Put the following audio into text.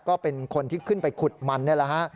ก็เป็นคนที่ขึ้นไปขุดมันนี่แหละฮะ